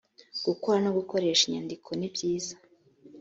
gukora no gukoresha inyandiko ni byiza